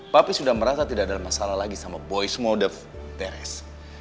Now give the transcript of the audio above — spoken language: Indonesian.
papi sudah merasa tidak ada masalah lagi sama boy smoda teres